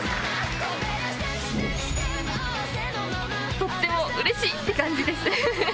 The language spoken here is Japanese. とってもうれしいって感じです。